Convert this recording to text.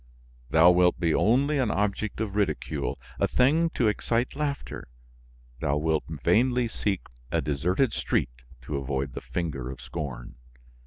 Thou wilt be only an object of ridicule, a thing to excite laughter; thou wilt vainly seek a deserted street to avoid the finger of scorn.